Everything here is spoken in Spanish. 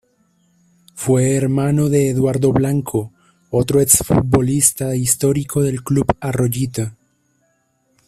Fue hermano de Eduardo Blanco, otro ex futbolista histórico del club de Arroyito.